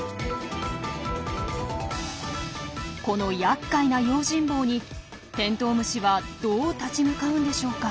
このやっかいな用心棒にテントウムシはどう立ち向かうんでしょうか。